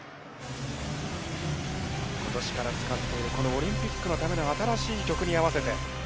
ことしから使っている、このオリンピックのための新しい曲に合わせて。